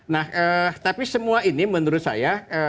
nah tapi semua ini menurut saya